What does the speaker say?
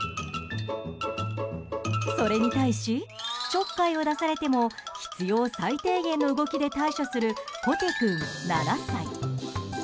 それに対しちょっかいを出されても必要最低限の動きで対処するコテ君、７歳。